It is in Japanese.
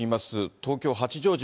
東京・八丈島。